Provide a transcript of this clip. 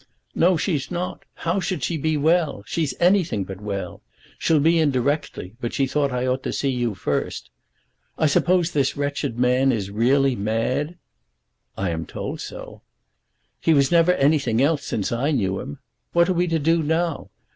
"No, she's not. How should she be well? She's anything but well. She'll be in directly, but she thought I ought to see you first. I suppose this wretched man is really mad." "I am told so." "He never was anything else since I knew him. What are we to do now?